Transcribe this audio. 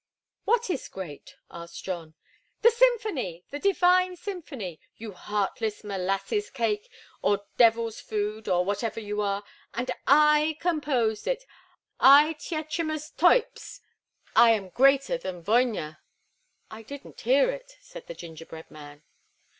"What is great?" asked John. "The symphonie! The divine symphonie, you heartless molasses cake, or devil's food, or whatever you are! And I composed it I Tietjamus Toips! I am greater than Vogner!" "I didn't hear it," said the gingerbread man.